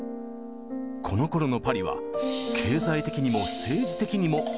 このころのパリは経済的にも政治的にも不安定。